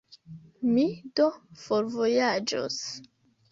Mi do forvojaĝos.